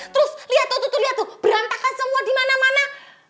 terus lihat tuh lihat tuh berantakan semua di mana mana